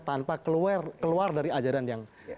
tanpa keluar dari ajaran yang